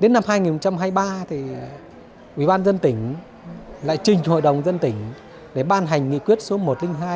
đến năm hai nghìn hai mươi ba thì ubnd lại trình hội đồng dân tỉnh để ban hành nghị quyết số một trăm linh hai